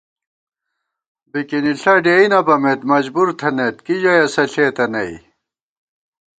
بِکِنِݪہ ڈېئ نہ بَمېت مجبُورتھنَئیت کی ژَئی اسہ ݪېتہ نئ